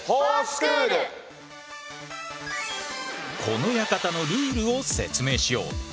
この館のルールを説明しよう。